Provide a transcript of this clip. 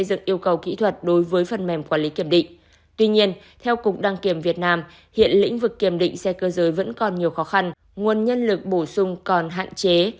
tuy nhiên theo cục đăng kiểm việt nam hiện lĩnh vực kiểm định xe cơ giới vẫn còn nhiều khó khăn nguồn nhân lực bổ sung còn hạn chế